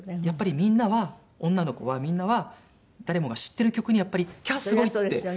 やっぱりみんなは女の子はみんなは誰もが知ってる曲にやっぱり「キャーすごい」って。